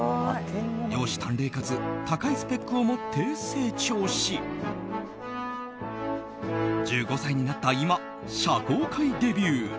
容姿端麗かつ高いスペックを持って成長し１５歳になった今社交界デビュー。